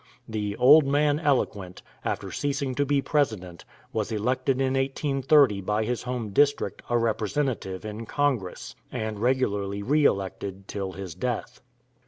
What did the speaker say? The "old man eloquent," after ceasing to be President, was elected in 1830 by his home district a Representative in Congress, and regularly re elected till his death.